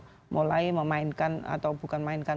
sudah mulai memainkan atau bukan mainkan